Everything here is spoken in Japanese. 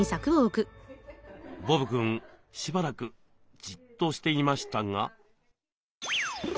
ボブくんしばらくじっとしていましたが。